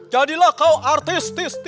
jadilah kau artis